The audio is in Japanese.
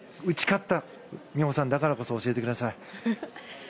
打ち勝った、美帆さんだからこそ教えてください。